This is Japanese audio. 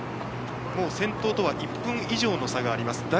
もう先頭とは１分以上の差があります。